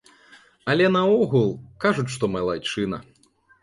Але наогул, кажуць, што малайчына.